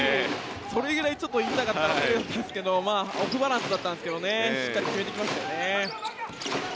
それくらい言いたかったんですけどオフバランスだったんですけどねしっかり決めていきましたよね。